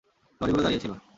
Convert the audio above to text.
লরিগুলো দাঁড়িয়ে ছিল।